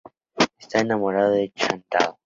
Está enamorado de Chantal.